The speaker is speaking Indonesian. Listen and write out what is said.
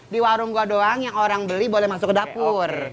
di warung gua doang yang orang beli boleh masuk ke dapur